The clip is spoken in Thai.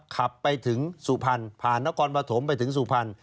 ขับไปถึงสุพรรณผ่านนครปฐมไปถึงสุพรรณ